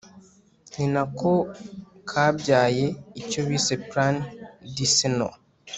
ni nako kabyaye icyo bise plan decennal